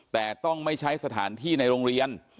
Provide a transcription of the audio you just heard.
แต่ต้องไม่ใช้สถานที่ในโรงเรียน